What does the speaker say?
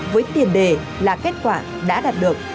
với tiền đề là kết quả đã đạt được